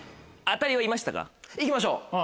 行きましょう。